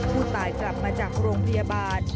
ผู้ตายกลับมาจากโรงพยาบาล